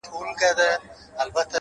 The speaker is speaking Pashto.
هره هڅه یو نوی امکان جوړوي’